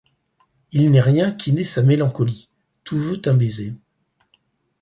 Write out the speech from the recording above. Il n’est rien qui n’ait sa mélancolie ;Tout veut un baiser.